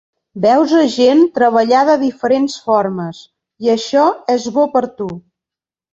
Veus a gent treballar de diferents formes, i això és bo per tu.